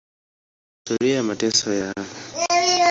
Kuna historia ya mateso yao.